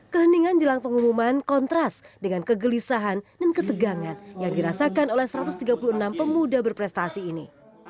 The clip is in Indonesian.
keheningan jelang pengumuman kontras dengan kegelisahan dan ketegangan yang dirasakan oleh satu ratus tiga puluh enam pemuda berprestasi ini